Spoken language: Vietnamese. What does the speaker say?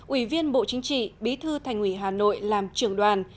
ủy viên bộ chính trị bí thư thành ủy hà nội làm trưởng đoàn